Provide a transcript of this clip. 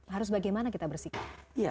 harus bagaimana kita bersihkan